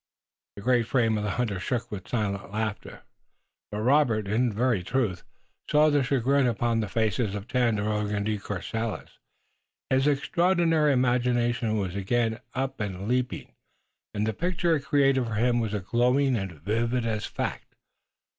The great frame of the hunter shook with silent laughter. But Robert, in very truth, saw the chagrin upon the faces of Tandakora and De Courcelles. His extraordinary imagination was again up and leaping and the picture it created for him was as glowing and vivid as fact.